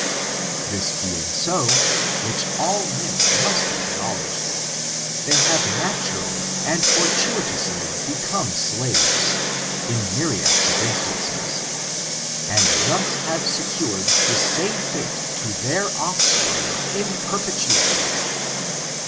This being so, which all men must acknowledge, they have no/tt* rally and fortuitoiisly become slaves, in myriads of instances, and thus have secured the same fate to their offspring in perpetuity.